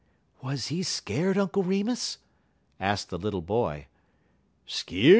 "Was he scared, Uncle Remus?" asked the little boy. "Skeerd!